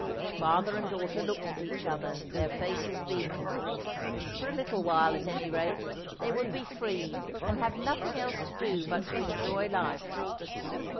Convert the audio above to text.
Father and daughter looked at each other, their faces beaming. For a little while, at any rate, they would be free and have nothing else to do but to enjoy life.